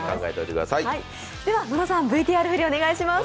では、野呂さん、ＶＴＲ振りお願いします。